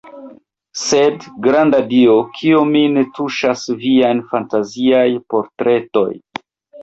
Sed, granda Dio, kio min tuŝas viaj fantaziaj portretoj?